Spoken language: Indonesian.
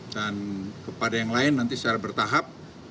dan kepada yang lain nanti secara bertahap